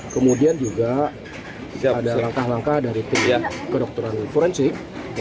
kemudian juga ada langkah langkah dari pihak kedokteran forensik